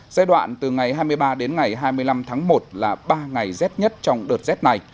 giai đoạn từ ngày hai mươi ba đến ngày hai mươi năm tháng một là ba ngày rét nhất trong đợt rét này